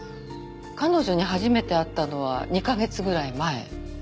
彼女に初めて会ったのは２カ月ぐらい前。